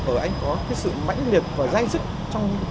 ở anh có cái sự mãnh liệt và dây dứt trong cuộc đời